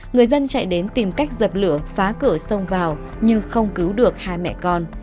người dân chạy đến tìm cách dập lửa phá cửa sông vào nhưng không cứu được hai mẹ con